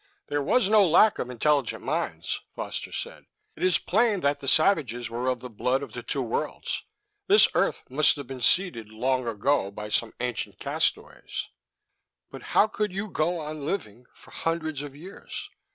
"There was no lack of intelligent minds," Foster said. "It is plain that the savages were of the blood of the Two Worlds. This earth must have been seeded long ago by some ancient castaways." "But how could you go on living for hundreds of years?